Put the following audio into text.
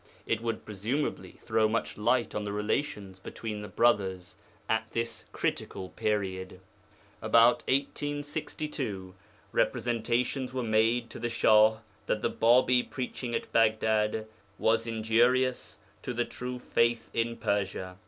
It would presumably throw much light on the relations between the brothers at this critical period. About 1862 representations were made to the Shah that the Bābī preaching at Baghdad was injurious to the true Faith in Persia.